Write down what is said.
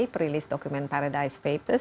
perilis dokumen paradise papers